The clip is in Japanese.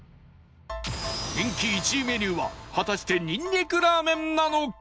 人気１位メニューは果たしてにんにくラーメンなのか？